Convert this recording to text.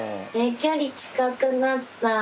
距離近くなった。